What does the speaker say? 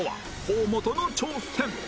河本の挑戦